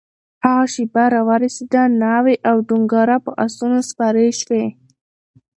هغه شېبه راورسېده؛ ناوې او ټونګره پر آسونو سپرې شوې